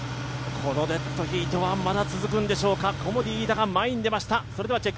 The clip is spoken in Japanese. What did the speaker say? このデッドヒートはまだ続くんでしょうかコモディイイダが前に出ました。